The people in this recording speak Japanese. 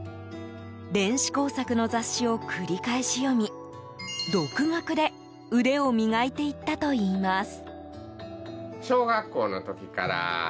電子工作の雑誌を繰り返し読み独学で腕を磨いていったといいます。